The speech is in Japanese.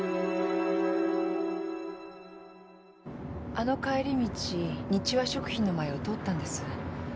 あの帰り道ニチワ食品の前を通ったんです。